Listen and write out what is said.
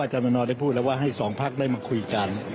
อาจารย์มนต์ได้พูดแล้วว่าให้๒พักได้มาคุยกัน